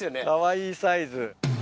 かわいいサイズ。